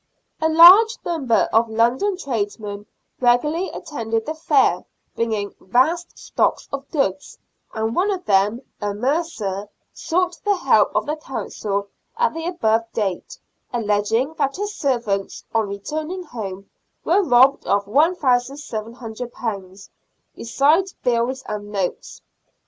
A large number of London tradesmen regularly attended the fair, bringing vast stocks of goods, and one of them, a mercer, sought the help of the Council at the above date, alleging that his servants, on returning home, were robbed of £L,y 00, besides bills and notes.